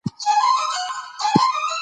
په دې سفر کې د منځنیو پیړیو نښې وې.